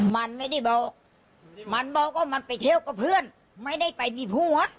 มันไม่ได้บอกมันบอกว่ามันไปเที่ยวกับเพื่อนไม่ได้ไปมีผัว